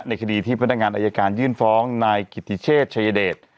คดีที่พนักงานอายการยื่นฟ้องนายกิติเชษชายเดช